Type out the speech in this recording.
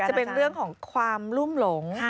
จะเป็นเรื่องของความรุ่มหลง